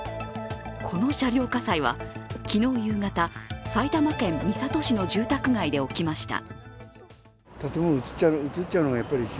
この車両火災は昨日夕方、埼玉県三郷市の住宅街で起きました。